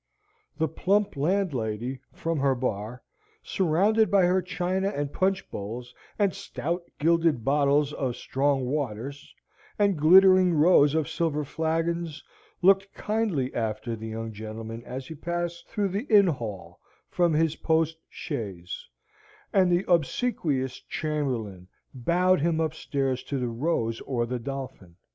The plump landlady from her bar, surrounded by her china and punch bowls, and stout gilded bottles of strong waters, and glittering rows of silver flagons, looked kindly after the young gentleman as he passed through the inn hall from his post chaise, and the obsequious chamberlain bowed him upstairs to the Rose or the Dolphin.